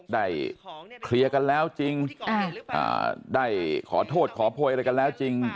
ได้เคลียร์กันแล้วจริงได้ขอโทษขอโพยอะไรกันแล้วจริง